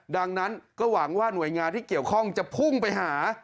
ดังนั้นก็หวังว่าหน่วยงานที่เกี่ยวข้องจะพุ่งไปหา